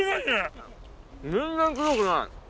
全然くどくない。